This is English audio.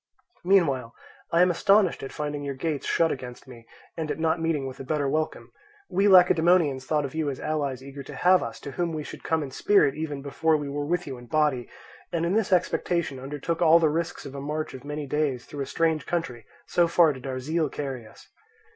Meanwhile I am astonished at finding your gates shut against me, and at not meeting with a better welcome. We Lacedaemonians thought of you as allies eager to have us, to whom we should come in spirit even before we were with you in body; and in this expectation undertook all the risks of a march of many days through a strange country, so far did our zeal carry us.